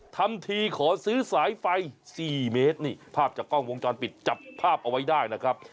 ทำทีขอซื้อสายไฟ๔เมตรนี่ภาพจากกล้องวงจรปิดจับภาพเอาไว้ได้นะครับ